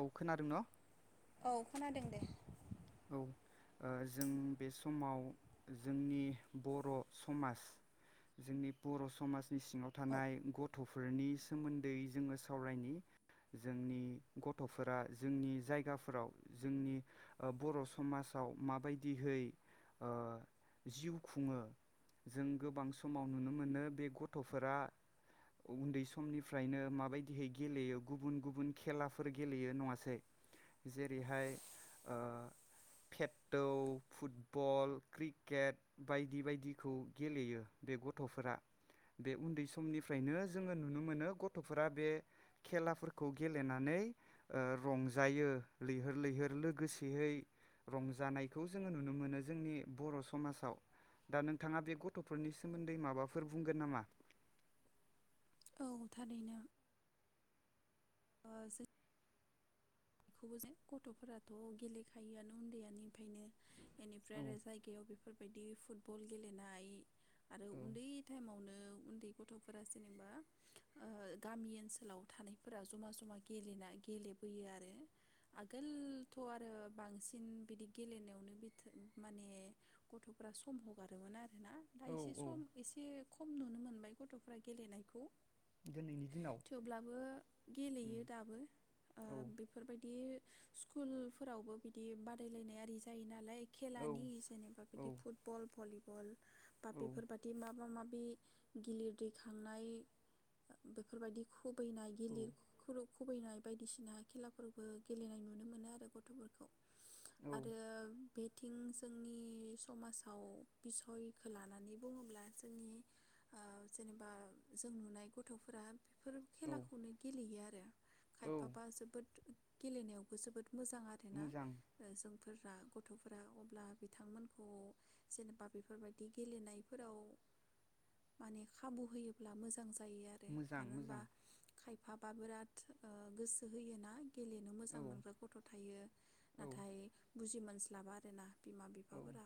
औ खोनादों न'? औ खोनादों दे। औ ओ जों बे समाव जोंनि बर' समाज जोंनि बर' समाज निसिङाव औ थानाय गथ' फोरनि सोमोन्दै जोङो सावरायनि जोंनि गथ'फोरा जोंनि जायगाफोराव जोंनि ओ बर' समाजाव माबायदिहै ओ जिउ खुङो जों गोबां समाव नुनो मोनो बे गथ'फोरा उन्दै समनिफ्रायनो माबायदिहै गेलेयो गुबुन गुबुन खेलाफोर गेलेयो नङासै जेरैहाय ओ फेटटौ, फुटबल, क्रिकेट बायदि बायदिखौ गेलेयो बे गथ'फोरा बे उन्दै समनिफ्रायनो जोङो नुनो मोनो गथ'फोरा बे खेलाफोरखौ गेलेनानै ओ रंजायो लैहोर लैहोर लोगोसे यै रंजानायखौ जोङो नुनो मोनो जोंनि बर' समाजाव दा नोंथाङा बे गथ'फोरनि सोमोन्दै माबाफोर बुंगोन नामा? औ थारैनो। आ जों खौबो जेन गथ'फोराथ' गेलेखायोआनो उन्दैयानिफायनो। बेनिफ्राय औ आरो जायगायाव बेफोरबायदि फुटबल गेलेनाय आरो औ उन्दै टाइमावनो उन्दै गथ'फोरा जेनेबा ओ गामि ओनसोलाव थानायफोरा जमा जमा गेलेना गेलेबोयो आरो। आगोलथ' आरो बांसिन बिदि गेलेनायावनो बिथोन माने गथ'फ्रा सम हगारोमोन आ ना दा औ एसे औ सम एसे खम नुनो मोनबाय गथ'फ्रा गेलेनायखौ। दिनैनि दिनाव थेवब्लाबो गेलेयो दाबो ओ औ बि बिदि स्कुल फोरावबो बिदि बादायलायनाय आरि जायो नालाय औ खेलानि जेनेबा औ बिदि फुटबल भलिब बल बा औ बेफोरबादि मा मा मा बे गिलिर दैखांनाय बेफोरबायदि खुबैनाय गिलिर खुलब खुबैनाय बायदिसिना खेलाफोरबो गेलेनाय नुनो मोनो आरो गथ'फोरखौ। औ आरो बेथिं जोंनि समाजाव बिसयखो लानानै बुङोब्ला जोंनि ओ जेनेबा जों नुनाय गथ'फोरा बेफोर औ खेलाखौनो गेलेयो आरो औ खायफाबा जोब गेलेनायावबो जोबोद मोजां आरोना मोजां ओ जों फोरा गथ'फोरा अब्ला बिथांमोनखौ जेनेबा बेफोरबायदि गेलेनायफोराव माने खाबु होयोब्ला मोजां जा जायो आरो मोजां मानो होनबा मोजां खाय फाबा बोराद ओ गोसो होयोना गेलेनो औ मोजां मोनग्रा गथ' थायो औ नाथाय बुजि मोन मोनस्लाबा आरो ना। बिमा औ बिफाफोरा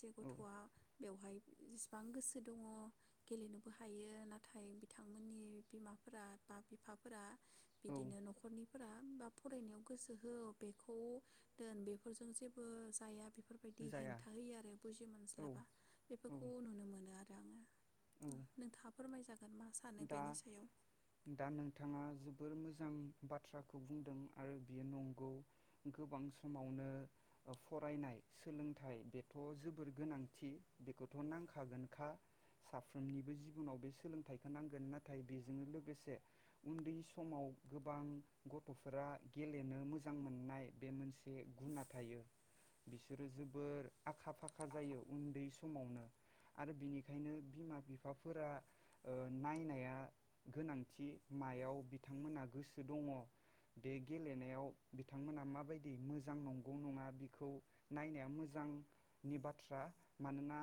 जे गथ'आ औ बेवहाय जेसिबां गोसो दङ गेलेनोबो हायो नाथाय बिथांमोननि बिमाफोरा बा बिफाफोरा औ बिदिनो न'खरनि फोर बा फरायनायाव गोसो हो बेखौ दोन बेफोरजों जेबो जाया बेफोरबायदि जाया हेंथा होयो आरो बुजि औ मोनज्लाबा औ बेफोरखौ नुनो मोनो आरो। आङो औ नोंथाङा फोरमाय जागोन दा दा नोंथाङा जोबोर मोजां बाथ्राखौ बुंदों आरो बेयो नंगौ गोबां समावनो ओ फरायनाय सोलोंथाइ बेथ' जोबोर गोनांथि बेखौथ' नांखागोनखा साफ्रोमनिबो जिबनाव बे सोलोंथाइ होनांगोन नाथाय बेजोंनो लोगोसे उन्दै समाव गोबां गथ'फोरा गेलेनो मोजां मोननाय बे मोनसे गुना थायो बिसोरो जोबोर आखा फाखा जायो उन्दै समावनो आरो बिनिखायनो बिमा बिफाफोरा ओ नायनाया गोनांथि मायाव बिथांमोनहा गोसो दङ बे गेलेनायाव बिथांमोना माबायदि मोजां नंगौ नङा बेखौ नायनाया मोजांनि बाथ्रा मानोना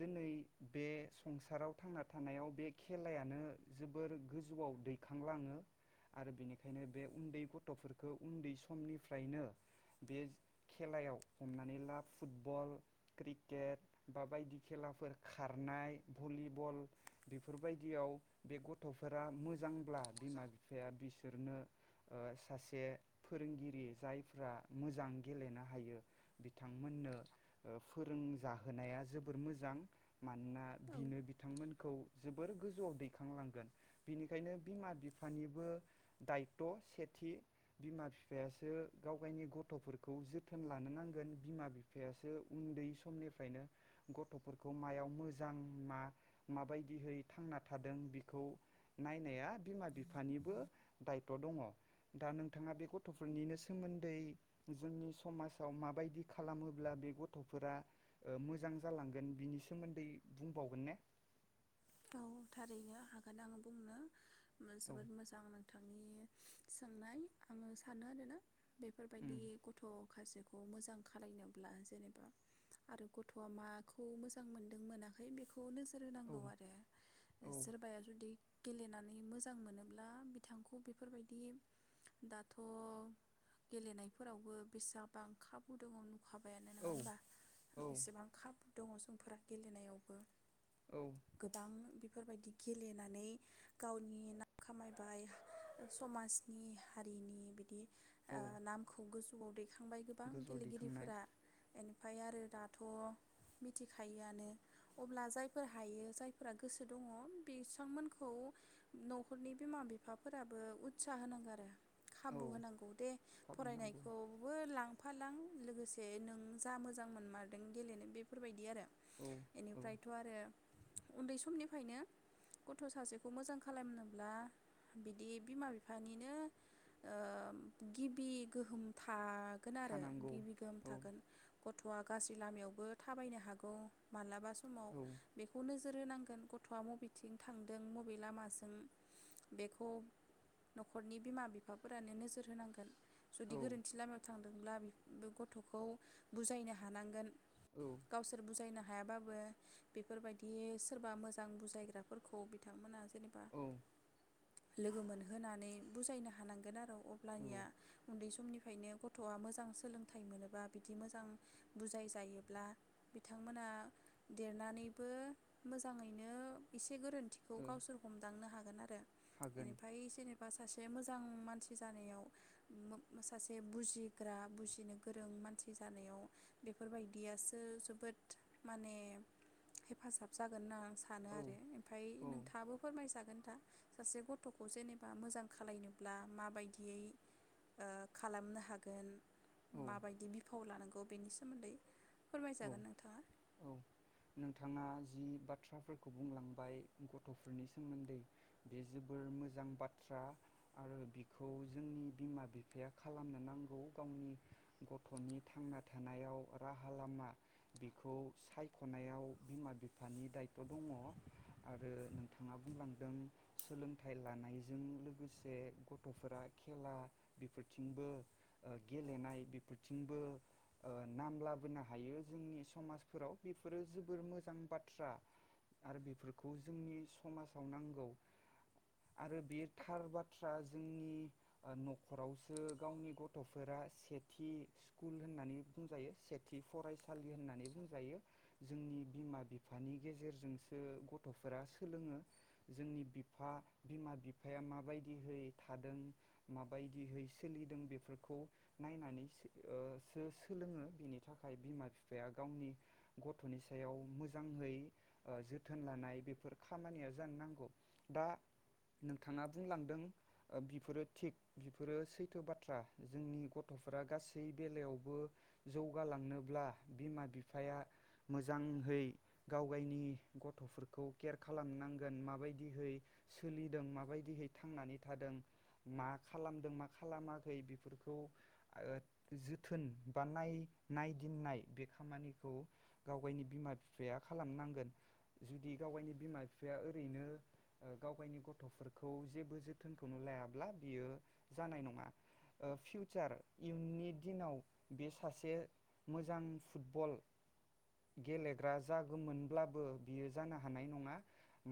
दिनै बे संसाराव थांना थानायाव बे खेलायानो जोबोर गोजौआव दैखांलाङो आरो बेनिखायनो बे उन्दै गथ'फोरखौ उन्दै समनिफ्रायनो बे खेलायाव हमनानै ला फुटबल क्रिकेट बा बायदि खेलाफोर खारनाय भलिबल बे फोरबायदियाव बे गथ'फोरा मोजांब्ला बिमा बिफाया बिसोरनो ओ सासे फोरोंगिरि जायफ्रा मोजां गेलेनो हायो बिथांमोननो ओ फोरोंजाहोनाया जोबोर मोजां। मानोना औ बिनो बिथांमोनखौ जोबोर गोजौआव दैखांलांगोन बिनिखायनो बिमा बिफानिबो दायथ' सेथि बिमा बिफायासो गाव गायनि गथ'फोरखौ जोथोन लानो नांगोन बिमा बिफायासो उन्दै समनिफ्रायनो गथ'फोरखौ मायाव मोजां मा माबा दिहै थांना थादों बेखौ नायनाया बिमा बिफानिबो दायथ' दङ। दा नोंथाङा बे गथ'फोरनिनो सोमोन्दै जोंनि समाजाव माबायदि खालामोब्ला बे गथ'फोरा ओ मोजां जालांगोन बिनि सोमोन्दै बुंबावगोन ने? औ थारैनो हागोन आं बुंनो। ओम औ जोबोर मोजां नों थांनि सोंनाय आङो सानो आरोना उम बेफोरबायदि गथ' माखासेखौ मोजां खालायनोब्ला जेनेबा आरो गथ'आ माखौ मोजां मोनदों मोनाखै बे खौ नोजोर औ होनांगौ आरो औ सोरबाया जुदि गेलेनानै मोजां मोनोब्ला बिथांखौ बेफोरबायदि दाथ' गेलेनायफोरावबो बेसा बां खाबु दङ नु खाबायानो नोङा औ होमबा औ बेसेबां खाबु दङ जों फोरा गेलेनायावबो औ गोबां बेफोरबायदि गेलेनानै गावनि नाम खामायबाय समाजनि हारिनि बिदि औ ओ नामखौ गोजौ आव दै खांबाय गोबां गोजौ दैखांनाय गेलेगिरिफोरा एनि फाय आरो दाथ' मिथिखायोआनो अब्ला जायफोर हायो जायफोरा गोसो दङ बिसांमोनखौ न'खरनि बिमा बिफाफोराबो उत्साह होनांगो आरो। औ खाबु होनांगौ दे खाबु होनांगौ फरायनायखौबो लां फालां लोगोसे नों जा मोजां मोनमारदों गेलेनो बेफोरबायदि आरो। औ औ एनिफ्रायथ' आरो उन्दै समनिफायनो गथ' सासेखौ मोजां खालामनोब्ला बिदि बिमा बिफानिनो ओ गिबि गोहोम था गोन आरो थानांगौ गिबि गोहोम औ थागोन गथ'आ गासि लामायावबो थाबायनो हागौ मालाबा समाव औ बेख नोजोर होनांगोन गथ'आ मबेथिं थांदों मबे लामाजों बेखौ न'खरनि बिमा बिफाफोरानो नोजोर होनांगोन। जुदि औ गोरोन्थि लामायाव थां दोंब्ला बि बे गथ'खौ बुजायनो हानांगोन। औ गावसोर बुजायना हायाबाबो बेफोरबाय दि सोरबा मोजां बुजायग्राफोरखौ बिथांमोना जेनेबा। औ लोगो मोनहोनानै बुजायनो हानांगोन आरौ। औ अब्लानिया उन्दै समनि फायनो गथ'आ मोजां सोलोंथाइ मोनोबा बिदि मोजां बुजाय जायोब्ला बिथांमोना देरनानैबो मोजाङैनो एसे गोरोन थिखौ ओ गावसोर हमदांनो हागोन आरो हागोन एनिफाय जेनेबा सासे मोज मोजां मानसि जानायाव, सासे बुजिग्रा बुजिनो गोरों मानसि जानायाव बेफोरबायदियासो जोबोद माने हेफाजाब जागोन ना सानो औ आरो ओमफ्राय नोंथाङाबो फोरमायजागोन नोंथां। सासे गथ'खौ जेनेबा मोजां खालायनोब्ला माबायदियै ओ खालामनो हागोन औ माबायदि बिफाव लानांगौ बेनि सोमोन्दै औ फोरमायजागोन नोंथाङा औ नोंथाङा जि बाथ्राफोरखौ बुंलांबाय गथ'फोरनि सोमोन्दै बे जोबोर मोजां बाथ्रा आरो बिखौ जोंनि बिमा बिफाया खालामनो नांगौ गावनि गथ'नि थांना थानायाव राहा लामा बेखौ सायख'नायाव बिमा बिफानि दायथ' दङ आरो नोंथाङा बुंलांदों सोलोंथाइ लानायजों लोगोसे गथ'फोरा खेला बेफोरथिंबो गेलेनाय बेफोरथिंबो ओ नाम लाबोनो हायो। जोंनि समाजफोराव बेफोरो जोबोर मोजां बाथ्रा आरो बेफोरखौ जोंनि समाजाव नांगौ आरो, बे थार बाथ्रा जोंनि ओ न'खरावसो गावनि गथ'फोरा सेथि स्कुल होननानै बुंजायो सेथि फरायसा लि होननानै बुंजायो। जोंनि बिमा बिफानि गेजेरजोंसो गथ'फोरा सोलोङो। जोंनि बिफा बिमा बिफाया माबायदिहै थादों माबायदिहै सोलिदों बेफोरखौ नायनानै ओ सो सोलोङो बिनि थाखाय बि बिफाया गावनि गथ'नि सायाव मोजाङै ओ जोथोन लानाय बेफोर खामानिया जानो नांगौ। दा नोंथाङा बुंलांदों बिफोरो थिग बिफोरो सैथो बाथ्रा जोंनि गथ'फोरा गासै बेलायावबो जौगालांनोब्ला बिमा बिफाया मोजांहै गाव गायनि गथ'फोरखौ केयार खालामनांगोन। माबायदिहै सोलिदों माबायदिहै थांनानै थादों मा खालामदों मा खालामाखै बेफोरखौ जोथोन बा नाय-नायदिंनाय बे खामानिखौ गाव गायनि बिमा बिफाया खालामनांगोन। जुदि गाव गावनि बिमा बिफाया ओरैनो गाव गायनि गथ'फोरखौ जेबो जोथोनखौनो लायाब्ला बियो जानाय नङा। ओ फिउचार इयुननि दिनाव बे सासे मोजां फुटबल गेलेग्रा जागोमोनब्लाबो बियो जानो हानाय नङा।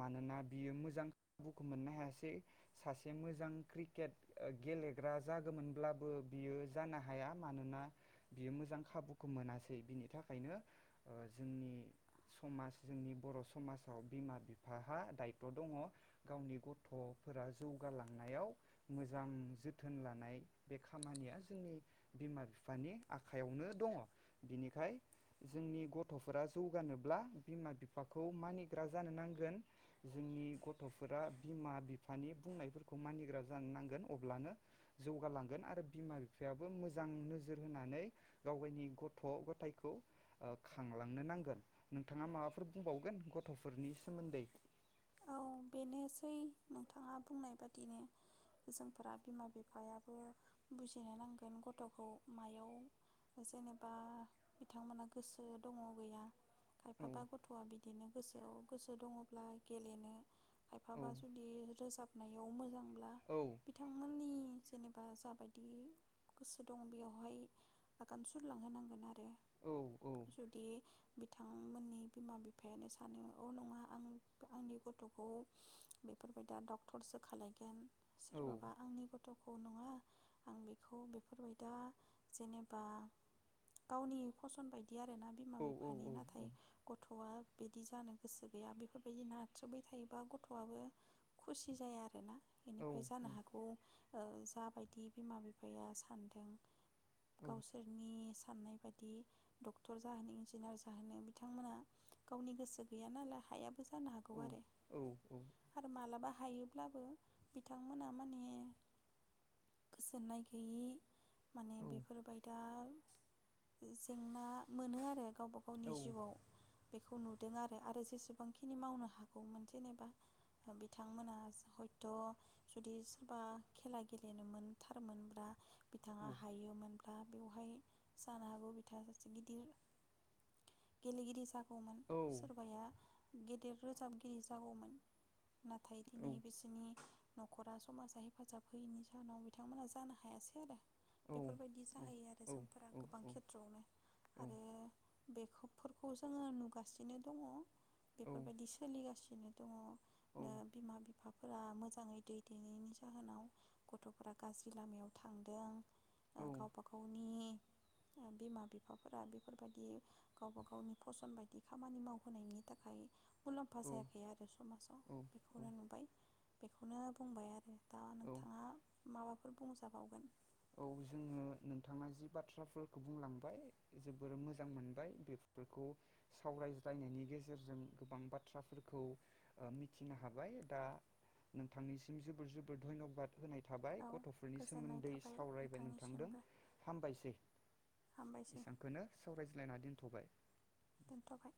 मानोना बियो मोजां खाबुखौ मोननो हायासै। सासे मोजां क्रिकेट गेलेग्रा जागोमोनब्लाबो बियो जानो हाया मानोना बियो मोजां खाबुखौ मोनासै। बिनि थाखायनो जोंनि समाज जोंनि बर' समाजाव बिमा बिफाहा दायथ' दङ गावनि गथ'फोरा जौगालांनायाव मोजां जोथोन लानाय बे खामानिया जोंनि बिमा बिफानि आखाइयावनो दङ'। बिनिखाय जोंनि गथ'फोरा जौगानोब्ला बिमा बिफाखौ मानिग्रा जानो नांगोन। जोंनि गथ'फोरा बिमा बिफानि बुंनायफोरखौ मानिग्रा जानो नांगोन अब्लानो जौगालांगोन आरो बिमा बिफायाबो मोजां नोजोर होनानै गावगायनि गथ' गथायखौ ओ खांलांनो नांगोन। नोंथाङा माबाफोर बुंबावगोन गथ'फोरनि सोमोन्दै? औ बेनोसै नोंथाङा बुंनाय बादिनो जोंफोरा बिमा बिफायाबो बुजिनो नांगोन गथ'खौ मायाव जेनेबा बिथांमोना गोसो दङ' गैया। औ खायफाबा गथ'वा बिदिनो गोसोआव गोसो दङ'ब्ला गेलेनो औ खायफाबा जुदि रोजाब नायाव मोजां मोनोब्ला औ बिथांमोननि जेनेबा जाबायदि गोसो दं बेयावहाय आगान सुरलांहोनांगोन आरो औ जुदि बिथांमोननि बिमा बिफायानो सानो अ नङा आं आंनि गथ'खौ बेफोरबायदि डक्टरसो खालायगोन औ सोरबाबा आंनि गथ'खौ नङा आं बेखौ बेफोरबाय दा जेनेबा गावनि फसन बायदि आरो ना बिमा औ बिफानि औ नाथाय गथ'वा बि बिदि जानो गोसो गैया बेफोर बायदि नारथ्रोबाय थायोबा गथ'वाबो खुसि जाया आरो ना बेनिफ्राय जानो औ हागौ ओ जाबाय बिदि बिमा बिफाया सानदों औ गावसोरनि साननाय बायदि डक्टर जाहोनो इन्जिनियार जाहोनो बिथांमोना गावनि गोसो गैया नालाय हायाबो जानो हागौ आरो औ आरो मालाबा हायो ब्लाबो बिथांमोना माने गोजोननाय गैयि [unintelligible] जेंना मोनो आरो। गावबा गावनि जिउआव बेखौ नु दों आरो जेसेबां बेखिनि मावनो हागौमोन जेनेबा बिथांमोना हयथ' जुदि सोरबा खेला गेलेनो मोन थारमोनब्ला बिथाङा औ हायोमोनब्ला बेवहाय जानो हागौ बिथाङा सासे गिदिर गेलेगिरि जा औ सोरबाया गेदेर रोजाबगिरि जागौमोन नाथाय औ दिनै बिसोरनि न'खरा समाजा हेफाजाब होयैनि जाहोनाव बिथांमोना जानो हायासै आरो औ बेफोरबायदि जाहैयो आरो औ जोंफोरा गोबां खेथ्रआवनो आरो बेखौ फोरखौ जोङो नुगासिनो दङ। बेफोरबायदि सोलिगासिनो बिदिनो दङ औ नो बिमा बिफा गथ'फोर मोजाङै दैदेनायनि जाहोनाव गथ'फोरा गाज्रि लामायाव थांदों औ ओ गावबा गावनि ओ बिमा बिफाफोरा बेफोरबायदि गावबा गावनि फसन बायदि खामानि मावहोनायनि थाखाय। मुलाम्फा जायाखै आरो समाजाव बेखौनो नुबाय बे खौनो बुंबाय आरो। दा नोंथाङा माबा फोर बुंंजाबावगोन। औ जोङो नोंथाङा जि बाथ्राफोरखौ बुंलांबाय जोबोर मोजां मोनबाय बेफोरखौ सावरायज्लायनायनि गेजेरजों गोबां बाथ्राफोरखौ ओ मिथिनो हाबाय दा नोंथांनिसिम जोबोर जोबोर धन्यबाद होनाय थाबाय औ गथ'फोरनि गोजोननाय सोमोन्दै थाबाय [unintelligible] नोंथांदों नोंथांनिसिमबो हामबायसै हामबायसै एसांखोनो सावरायज्लायना दोनथ'बाय। दोनथ'बाय